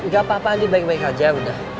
gak apa apa ini baik baik aja udah